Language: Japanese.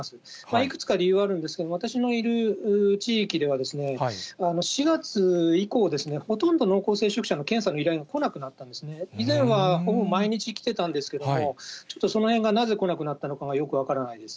いくつか理由があるんですけれども、私のいる地域では、４月以降、ほとんど、濃厚接触者の検査の依頼が来なくなったんですね、依然はほぼ毎日来てたんですけれども、ちょっとそのへんがなぜ来なくなったのかがよく分からないです。